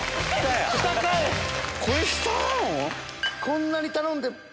こんなに頼んで。